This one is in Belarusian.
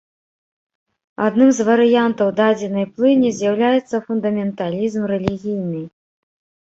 Адным з варыянтаў дадзенай плыні з'яўляецца фундаменталізм рэлігійны.